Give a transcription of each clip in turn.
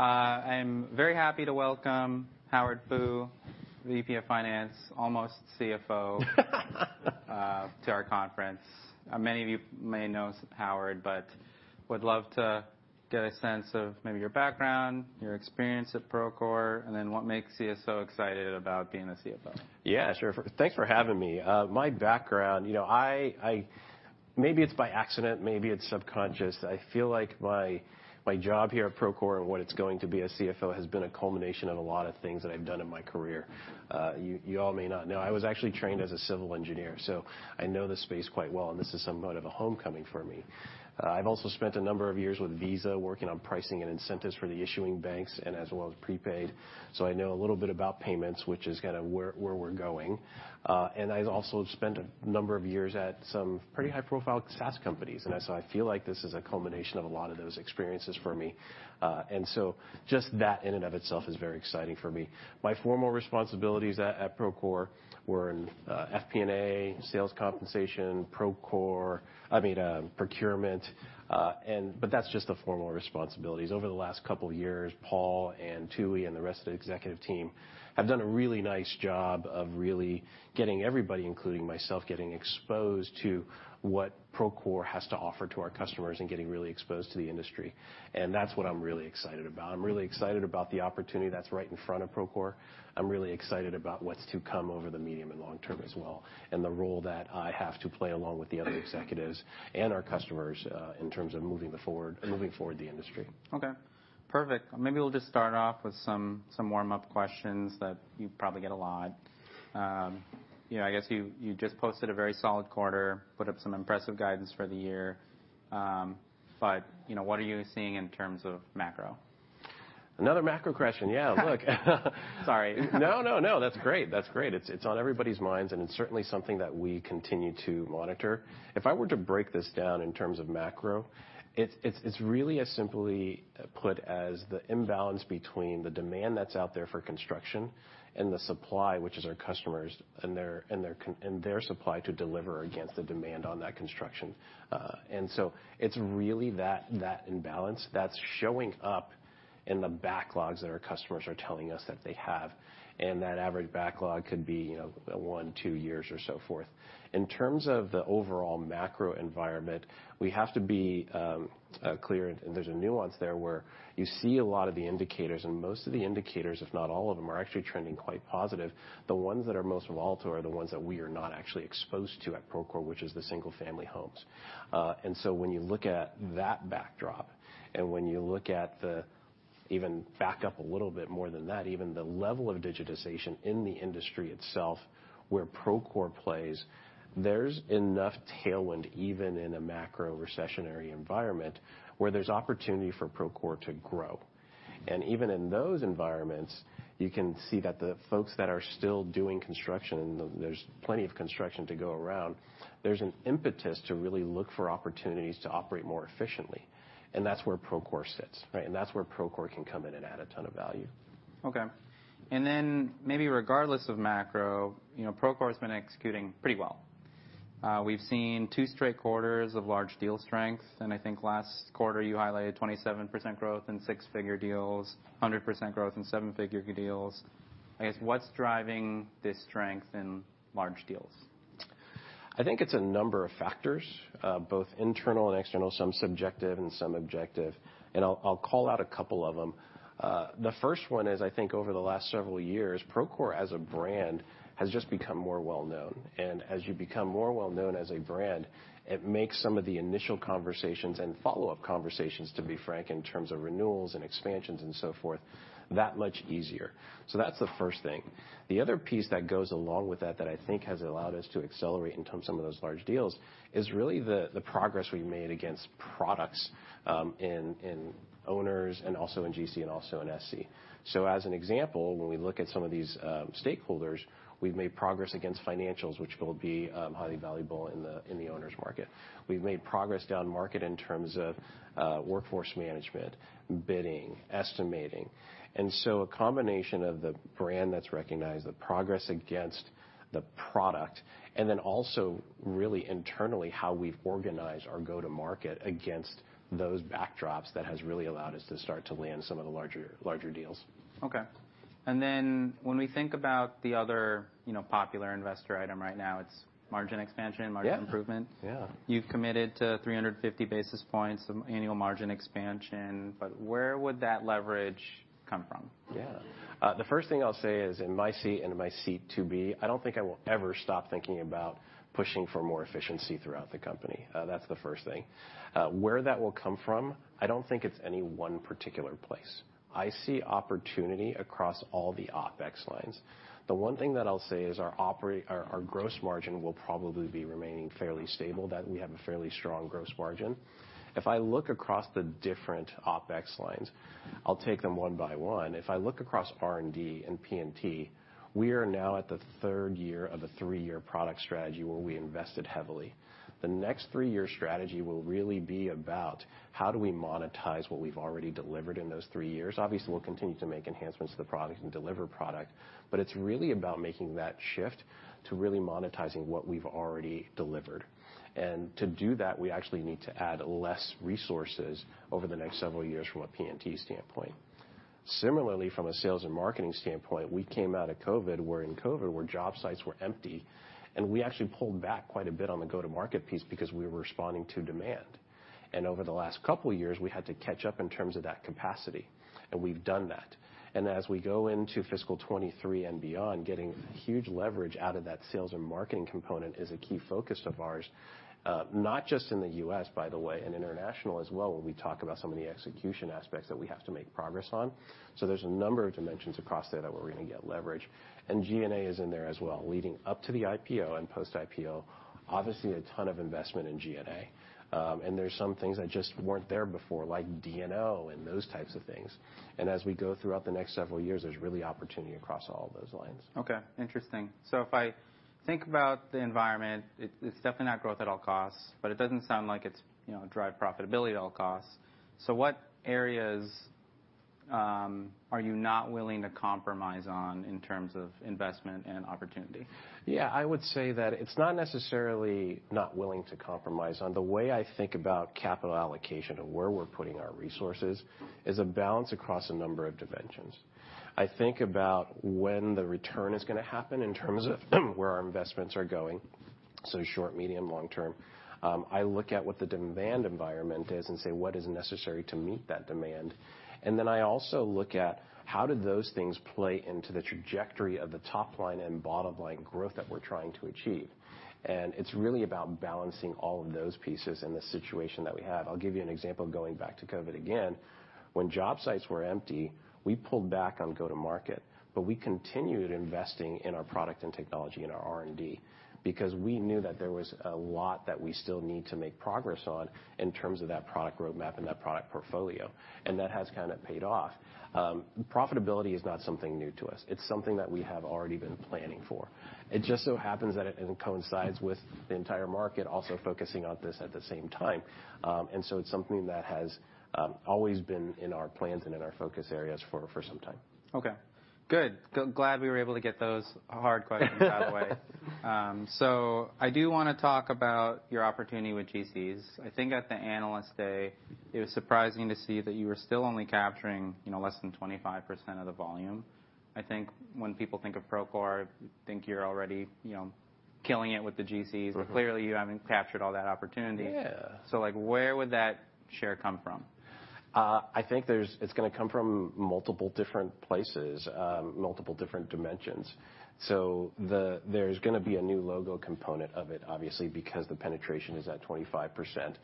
I'm very happy to welcome Howard Fu, the VP of finance, almost CFO, to our conference. Many of you may know Howard, but would love to get a sense of maybe your background, your experience at Procore, and then what makes you so excited about being a CFO. Yeah, sure. Thanks for having me. My background, you know, maybe it's by accident, maybe it's subconscious. I feel like my job here at Procore and what it's going to be as CFO has been a culmination of a lot of things that I've done in my career. You all may not know, I was actually trained as a civil engineer, so I know the space quite well, and this is somewhat of a homecoming for me. I've also spent a number of years with Visa working on pricing and incentives for the issuing banks and as well as prepaid, so I know a little bit about payments, which is kinda where we're going. I also have spent a number of years at some pretty high-profile SaaS companies, and so I feel like this is a culmination of a lot of those experiences for me. Just that in and of itself is very exciting for me. My formal responsibilities at Procore were in FP&A, sales compensation, I mean, procurement. That's just the formal responsibilities. Over the last couple years, Paul and Tooey and the rest of the executive team have done a really nice job of really getting everybody, including myself, getting exposed to what Procore has to offer to our customers and getting really exposed to the industry, and that's what I'm really excited about. I'm really excited about the opportunity that's right in front of Procore. I'm really excited about what's to come over the medium and long term as well, and the role that I have to play along with the other executives and our customers, in terms of moving forward the industry. Okay. Perfect. Maybe we'll just start off with some warm-up questions that you probably get a lot. You know, I guess you just posted a very solid quarter, put up some impressive guidance for the year, you know, what are you seeing in terms of macro? Another macro question. Yeah, look. Sorry. No, no. That's great. That's great. It's on everybody's minds, and it's certainly something that we continue to monitor. If I were to break this down in terms of macro, it's really as simply put as the imbalance between the demand that's out there for construction and the supply, which is our customers and their and their supply to deliver against the demand on that construction. It's really that imbalance that's showing up in the backlogs that our customers are telling us that they have, and that average backlog could be, you know, one, two years or so forth. In terms of the overall macro environment, we have to be clear, and there's a nuance there where you see a lot of the indicators, and most of the indicators, if not all of them, are actually trending quite positive. The ones that are most volatile are the ones that we are not actually exposed to at Procore, which is the single-family homes. When you look at that backdrop and even back up a little bit more than that, even the level of digitization in the industry itself where Procore plays, there's enough tailwind, even in a macro recessionary environment, where there's opportunity for Procore to grow. Even in those environments, you can see that the folks that are still doing construction, and there's plenty of construction to go around, there's an impetus to really look for opportunities to operate more efficiently, and that's where Procore sits, right? That's where Procore can come in and add a ton of value. Okay. Then maybe regardless of macro, you know, Procore's been executing pretty well. We've seen two straight quarters of large deal strength, and I think last quarter you highlighted 27% growth in six-figure deals, 100% growth in seven-figure deals. I guess, what's driving this strength in large deals? I think it's a number of factors, both internal and external, some subjective and some objective, and I'll call out a couple of them. The first one is I think over the last several years, Procore as a brand has just become more well-known. As you become more well-known as a brand, it makes some of the initial conversations and follow-up conversations, to be frank, in terms of renewals and expansions and so forth, that much easier. That's the first thing. The other piece that goes along with that I think has allowed us to accelerate in terms of some of those large deals, is really the progress we've made against products, in owners and also in GC and also in SC. As an example, when we look at some of these stakeholders, we've made progress against financials, which will be highly valuable in the owners market. We've made progress downmarket in terms of workforce management, bidding, estimating. A combination of the brand that's recognized, the progress against the product, and then also really internally, how we've organized our go-to-market against those backdrops that has really allowed us to start to land some of the larger deals. Okay. When we think about the other, you know, popular investor item right now, it's margin expansion Yeah. Margin improvement. Yeah. You've committed to 350 basis points of annual margin expansion, but where would that leverage come from? The first thing I'll say is in my seat and my seat to be, I don't think I will ever stop thinking about pushing for more efficiency throughout the company. That's the first thing. Where that will come from, I don't think it's any one particular place. I see opportunity across all the OpEx lines. The one thing that I'll say is our gross margin will probably be remaining fairly stable, that we have a fairly strong gross margin. If I look across the different OpEx lines, I'll take them one by one. If I look across R&D and P&E, we are now at the third year of a three-year product strategy where we invested heavily. The next three-year strategy will really be about how do we monetize what we've already delivered in those three years. Obviously, we'll continue to make enhancements to the product and deliver product, but it's really about making that shift to really monetizing what we've already delivered. To do that, we actually need to add less resources over the next several years from a P&E standpoint. Similarly, from a sales and marketing standpoint, we came out of COVID where in COVID, where job sites were empty, and we actually pulled back quite a bit on the go-to-market piece because we were responding to demand. Over the last couple of years, we had to catch up in terms of that capacity, and we've done that. As we go into fiscal 2023 and beyond, getting huge leverage out of that sales and marketing component is a key focus of ours, not just in the U.S., by the way, in international as well, when we talk about some of the execution aspects that we have to make progress on. There's a number of dimensions across there that we're gonna get leverage. G&A is in there as well, leading up to the IPO and post-IPO. Obviously, a ton of investment in G&A. There's some things that just weren't there before, like D&O and those types of things. As we go throughout the next several years, there's really opportunity across all of those lines. Okay, interesting. If I think about the environment, it's definitely not growth at all costs, but it doesn't sound like it's, you know, drive profitability at all costs. What areas are you not willing to compromise on in terms of investment and opportunity? I would say that it's not necessarily not willing to compromise on. The way I think about capital allocation and where we're putting our resources is a balance across a number of dimensions. I think about when the return is gonna happen in terms of where our investments are going, so short, medium, long term. I look at what the demand environment is and say, "What is necessary to meet that demand?" Then I also look at how do those things play into the trajectory of the top line and bottom line growth that we're trying to achieve. It's really about balancing all of those pieces in the situation that we have. I'll give you an example, going back to COVID again. When job sites were empty, we pulled back on go to market, but we continued investing in our product and technology and our R&D because we knew that there was a lot that we still need to make progress on in terms of that product roadmap and that product portfolio. That has kinda paid off. Profitability is not something new to us. It's something that we have already been planning for. It just so happens that it coincides with the entire market also focusing on this at the same time. It's something that has always been in our plans and in our focus areas for some time. Okay. Good. Glad we were able to get those hard questions out of the way. I do wanna talk about your opportunity with GCs. I think at the Investor Day, it was surprising to see that you were still only capturing, you know, less than 25% of the volume. I think when people think of Procore, think you're already, you know, killing it with the GCs. Mm-hmm. Clearly, you haven't captured all that opportunity. Yeah. Like, where would that share come from? I think it's gonna come from multiple different places, multiple different dimensions. There's gonna be a new logo component of it, obviously, because the penetration is at 25%.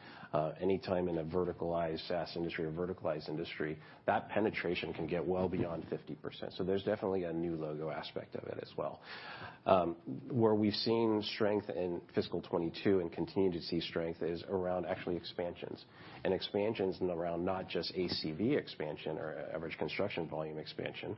Anytime in a verticalized SaaS industry or verticalized industry, that penetration can get well beyond 50%. There's definitely a new logo aspect of it as well. Where we've seen strength in fiscal 2022 and continue to see strength is around actually expansions. Expansions in around not just ACV expansion or average construction volume expansion,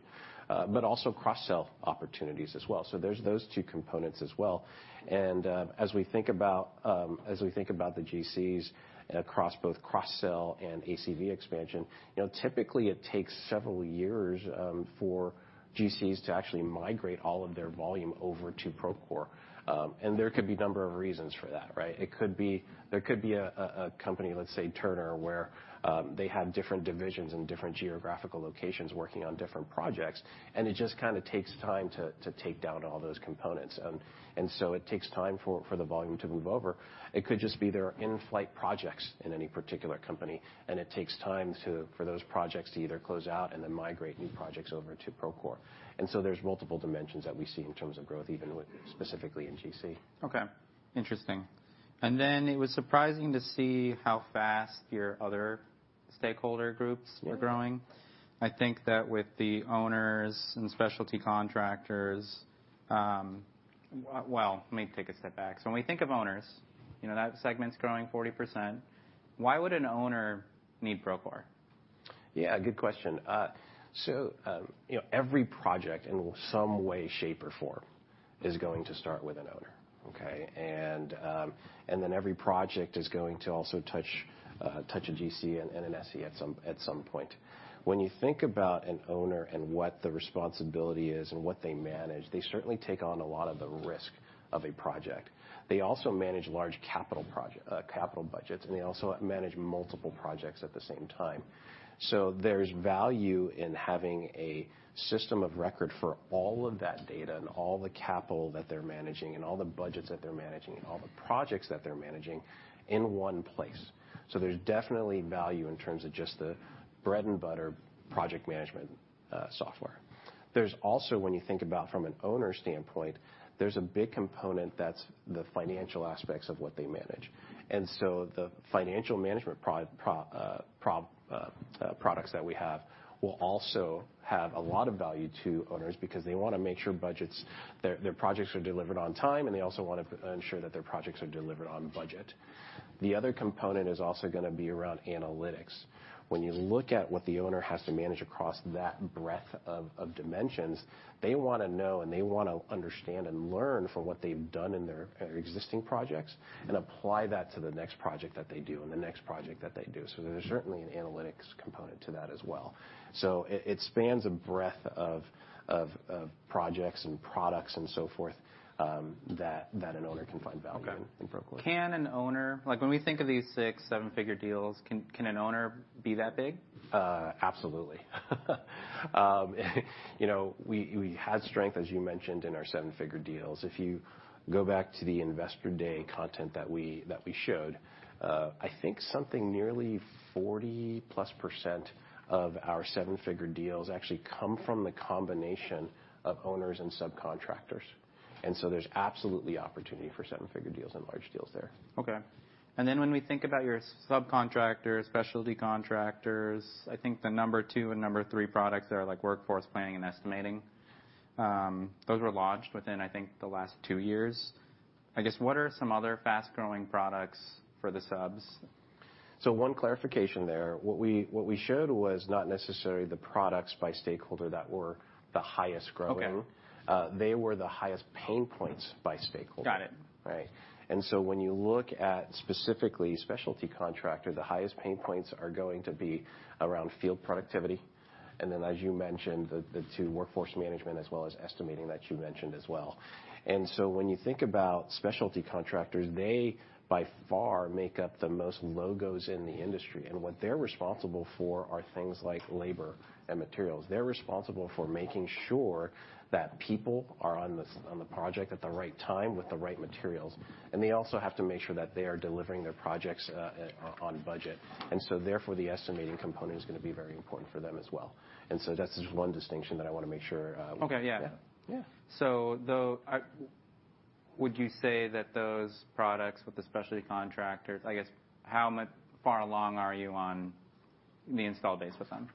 but also cross-sell opportunities as well. There's those two components as well. As we think about the GCs across both cross-sell and ACV expansion, you know, typically it takes several years for GCs to actually migrate all of their volume over to Procore. There could be a number of reasons for that, right? There could be a company, let's say Turner, where they have different divisions and different geographical locations working on different projects, and it just kinda takes time to take down all those components. It takes time for the volume to move over. It could just be there are in-flight projects in any particular company, and it takes time for those projects to either close out and then migrate new projects over to Procore. There's multiple dimensions that we see in terms of growth, even with specifically in GC. Okay. Interesting. It was surprising to see how fast your other stakeholder groups were growing. Yeah. I think that with the owners and specialty contractors, Well, let me take a step back. When we think of owners, you know, that segment's growing 40%. Why would an owner need Procore? Yeah, good question. You know, every project in some way, shape, or form is going to start with an owner, okay? Every project is going to also touch a GC and an SE at some point. When you think about an owner and what the responsibility is and what they manage, they certainly take on a lot of the risk of a project. They also manage large capital budgets, and they also manage multiple projects at the same time. There's value in having a system of record for all of that data and all the capital that they're managing and all the budgets that they're managing and all the projects that they're managing in one place. There's definitely value in terms of just the bread and butter project management software. There's also, when you think about from an owner standpoint, there's a big component that's the financial aspects of what they manage. The financial management products that we have will also have a lot of value to owners because they wanna make sure budgets, their projects are delivered on time, and they also wanna ensure that their projects are delivered on budget. The other component is also gonna be around analytics. When you look at what the owner has to manage across that breadth of dimensions, they wanna know and they wanna understand and learn from what they've done in their existing projects and apply that to the next project that they do and the next project that they do. There's certainly an analytics component to that as well. It spans a breadth of projects and products and so forth, that an owner can find value in Procore. Okay. Can an owner like, when we think of these six, seven-figure deals, can an owner be that big? Absolutely. You know, we had strength, as you mentioned, in our seven-figure deals. Go back to the Investor Day content that we, that we showed. I think something nearly 40%+ of our seven-figure deals actually come from the combination of owners and subcontractors. There's absolutely opportunity for seven-figure deals and large deals there. Okay. When we think about your subcontractors, specialty contractors, I think the number two and number three products are like workforce planning and estimating. Those were launched within, I think, the last two years. I guess, what are some other fast-growing products for the subs? One clarification there. What we showed was not necessarily the products by stakeholder that were the highest growing. Okay. They were the highest pain points by stakeholder. Got it. Right. When you look at specifically specialty contractor, the highest pain points are going to be around field productivity, and then as you mentioned, the two workforce management as well as estimating that you mentioned as well. When you think about specialty contractors, they by far make up the most logos in the industry, and what they're responsible for are things like labor and materials. They're responsible for making sure that people are on the project at the right time with the right materials. They also have to make sure that they are delivering their projects on budget. Therefore, the estimating component is gonna be very important for them as well. That's just one distinction that I wanna make sure. Okay, yeah. Yeah. Yeah. Would you say that those products with the specialty contractors... I guess, how far along are you on the install base with them?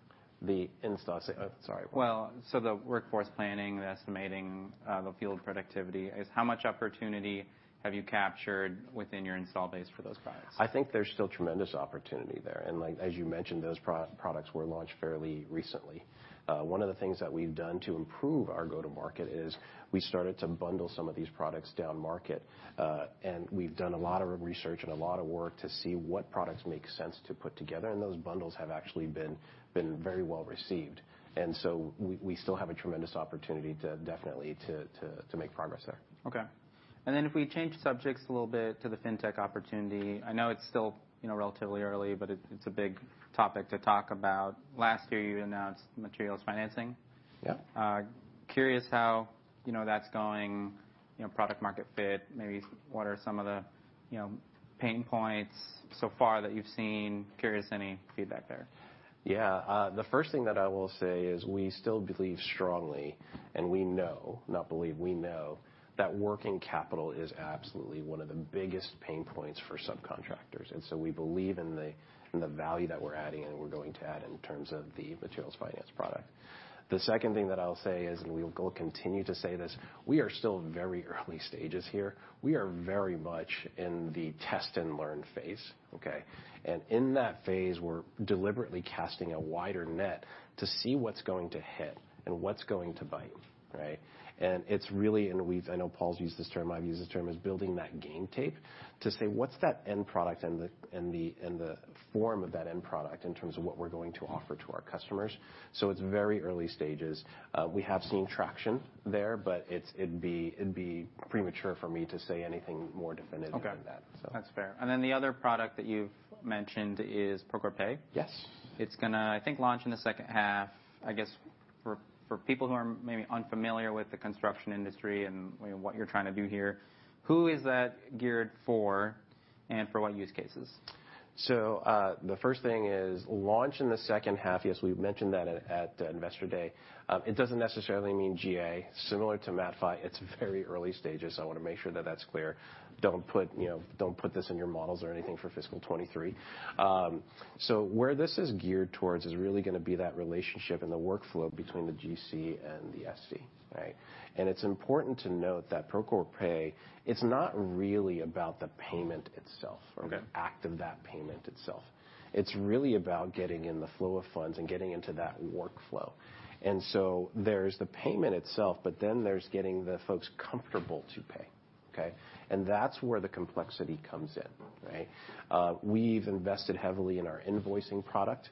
Sorry. Well, the workforce planning, the estimating, the field productivity. How much opportunity have you captured within your install base for those products? I think there's still tremendous opportunity there. Like, as you mentioned, those pro-products were launched fairly recently. One of the things that we've done to improve our go-to-market is we started to bundle some of these products down market, and we've done a lot of research and a lot of work to see what products make sense to put together, and those bundles have actually been very well received. So we still have a tremendous opportunity to definitely to make progress there. Okay. If we change subjects a little bit to the fintech opportunity, I know it's still, you know, relatively early, but it's a big topic to talk about. Last year, you announced materials financing. Yeah. Curious how, you know, that's going, you know, product market fit, maybe what are some of the, you know, pain points so far that you've seen? Curious any feedback there? Yeah. The first thing that I will say is we still believe strongly, and we know, not believe, we know that working capital is absolutely one of the biggest pain points for subcontractors. We believe in the value that we're adding and we're going to add in terms of the materials finance product. The second thing that I'll say is, we will continue to say this, we are still very early stages here. We are very much in the test and learn phase. Okay. In that phase, we're deliberately casting a wider net to see what's going to hit and what's going to bite, right? It's really, and we've I know Paul's used this term, I've used this term, is building that game tape to say, "What's that end product and the form of that end product in terms of what we're going to offer to our customers?" It's very early stages. We have seen traction there, but it's it'd be premature for me to say anything more definitive than that. Okay. That's fair. The other product that you've mentioned is Procore Pay. Yes. It's gonna, I think, launch in the second half. I guess for people who are maybe unfamiliar with the construction industry and, you know, what you're trying to do here, who is that geared for, and for what use cases? The first thing is launch in the second half. Yes, we've mentioned that at Investor Day. It doesn't necessarily mean GA. Similar to MatFi, it's very early stages, so I wanna make sure that that's clear. Don't put, you know, don't put this in your models or anything for fiscal 2023. Where this is geared towards is really gonna be that relationship and the workflow between the GC and the SC, right? It's important to note that Procore Pay, it's not really about the payment itself- Okay Or the act of that payment itself. It's really about getting in the flow of funds and getting into that workflow. There's the payment itself, but then there's getting the folks comfortable to pay, okay? That's where the complexity comes in, right? We've invested heavily in our invoicing product.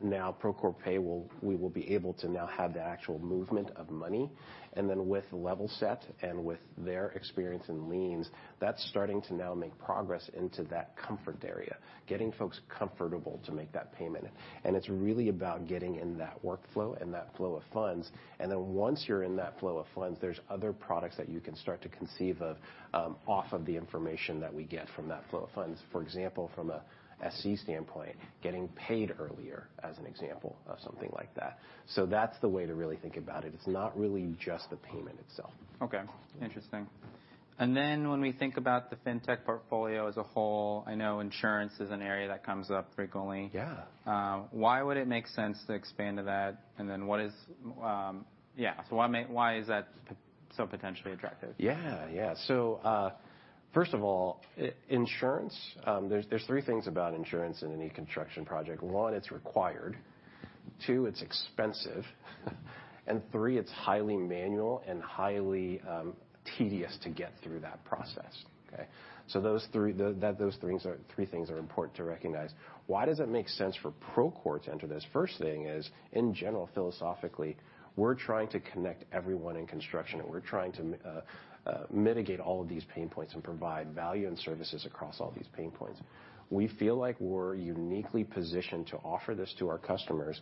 Now Procore Pay will be able to now have the actual movement of money, and then with Levelset and with their experience in liens, that's starting to now make progress into that comfort area, getting folks comfortable to make that payment. It's really about getting in that workflow and that flow of funds. Once you're in that flow of funds, there's other products that you can start to conceive of, off of the information that we get from that flow of funds. For example, from a SC standpoint, getting paid earlier as an example of something like that. That's the way to really think about it. It's not really just the payment itself. Okay. Interesting. When we think about the fintech portfolio as a whole, I know insurance is an area that comes up frequently. Yeah. Why would it make sense to expand to that? Why is that potentially attractive? Yeah. Yeah. First of all, insurance, there's three things about insurance in any construction project. One, it's required. Two, it's expensive. Three, it's highly manual and highly tedious to get through that process. Okay? Those three things are important to recognize. Why does it make sense for Procore to enter this? First thing is, in general, philosophically, we're trying to connect everyone in construction, and we're trying to mitigate all of these pain points and provide value and services across all these pain points. We feel like we're uniquely positioned to offer this to our customers.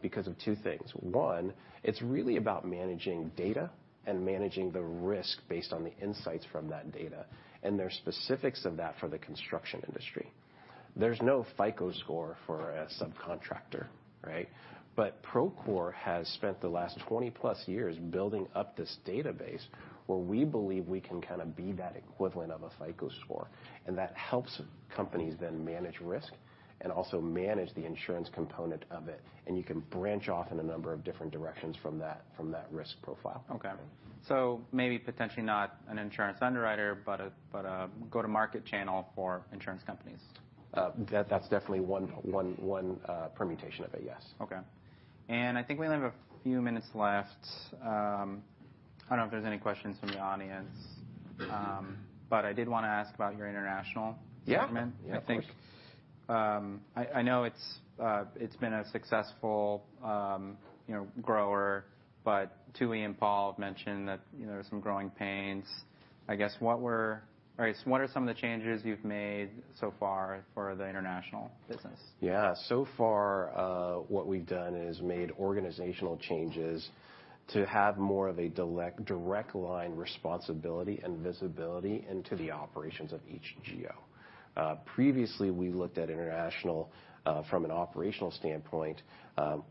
Because of two things. One, it's really about managing data and managing the risk based on the insights from that data, and there are specifics of that for the construction industry. There's no FICO score for a subcontractor, right? Procore has spent the last 20+ years building up this database where we believe we can kind of be that equivalent of a FICO score. That helps companies then manage risk and also manage the insurance component of it, and you can branch off in a number of different directions from that, from that risk profile. Okay. Maybe potentially not an insurance underwriter, but a go-to-market channel for insurance companies. That's definitely one permutation of it, yes. Okay. I think we only have a few minutes left. I don't know if there's any questions from the audience. I did wanna ask about your international segment. Yeah. Yeah, of course. I think, I know it's been a successful, you know, grower, but Tooey and Paul have mentioned that, you know, there are some growing pains. I guess. All right, what are some of the changes you've made so far for the international business? Yeah. So far, what we've done is made organizational changes to have more of a direct line responsibility and visibility into the operations of each GO. Previously, we looked at international from an operational standpoint,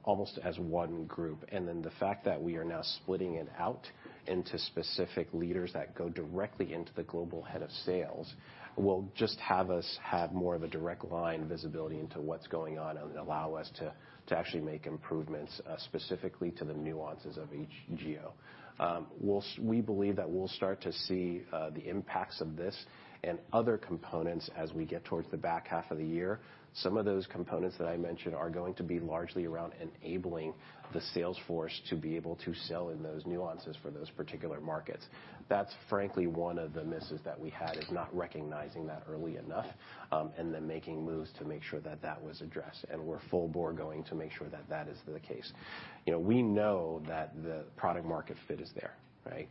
almost as one group. The fact that we are now splitting it out into specific leaders that go directly into the global head of sales will just have us more of a direct line visibility into what's going on and allow us to actually make improvements specifically to the nuances of each GO. We believe that we'll start to see the impacts of this and other components as we get towards the back half of the year. Some of those components that I mentioned are going to be largely around enabling the sales force to be able to sell in those nuances for those particular markets. That's frankly one of the misses that we had is not recognizing that early enough, and then making moves to make sure that that was addressed, and we're full bore going to make sure that that is the case. You know, we know that the product market fit is there, right?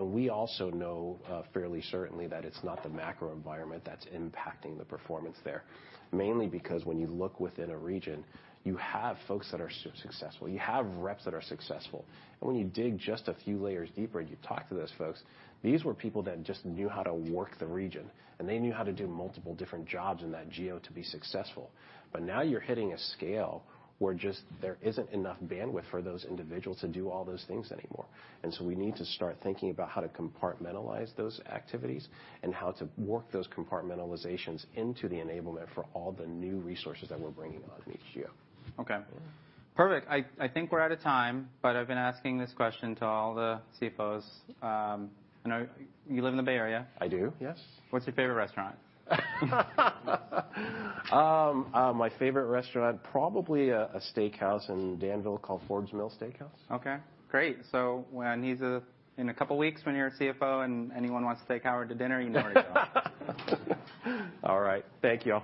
We also know, fairly certainly that it's not the macro environment that's impacting the performance there. Mainly because when you look within a region, you have folks that are successful, you have reps that are successful. When you dig just a few layers deeper and you talk to those folks, these were people that just knew how to work the region, and they knew how to do multiple different jobs in that GO to be successful. Now you're hitting a scale where just there isn't enough bandwidth for those individuals to do all those things anymore. We need to start thinking about how to compartmentalize those activities and how to work those compartmentalizations into the enablement for all the new resources that we're bringing on in each GO. Okay. Perfect. I think we're out of time. I've been asking this question to all the CFOs. I know you live in the Bay Area. I do, yes. What's your favorite restaurant? my favorite restaurant, probably a steakhouse in Danville called Forbes Mill Steakhouse. Okay, great. In a couple weeks when you're a CFO and anyone wants to take Howard to dinner, you know where to go. All right. Thank you.